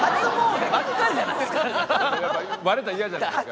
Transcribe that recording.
バレたらイヤじゃないですか。